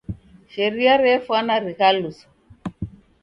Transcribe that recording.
Sharia refwana righaluso.